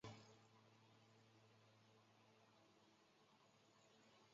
鹿獐山街道是中国湖北省黄石市铁山区下辖的一个街道。